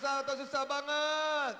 susah atau susah banget